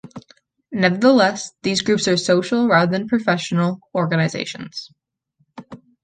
Nevertheless, these groups are social, rather than professional, organizations.